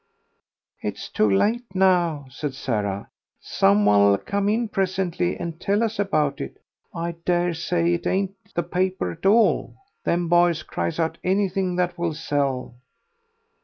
"It's too late now," said Sarah; "some one'll come in presently and tell us about it.... I daresay it ain't the paper at all. Them boys cries out anything that will sell."